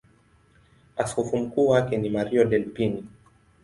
Askofu mkuu wake ni Mario Delpini.